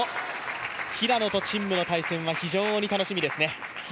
ただ、この平野と陳夢の対戦は非常に楽しみですね。